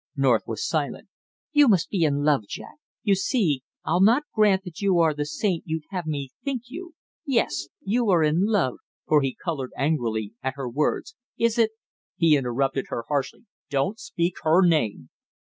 North was silent. "You must be in love, Jack! You see, I'll not grant that you are the saint you'd have me think you! Yes, you are in love!" for he colored angrily at her words. "Is it " He interrupted her harshly. "Don't speak her name!"